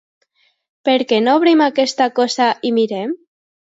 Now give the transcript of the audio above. Per què no obrim aquesta cosa i mirem?